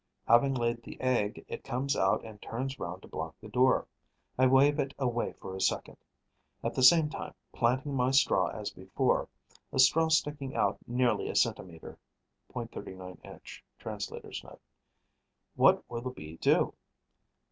Having laid the egg, it comes out and turns round to block the door. I wave it away for a second, at the same time planting my straw as before, a straw sticking out nearly a centimetre. (.39 inch. Translator's Note.) What will the Bee do?